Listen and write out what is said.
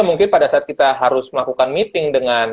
mungkin pada saat kita harus melakukan meeting dengan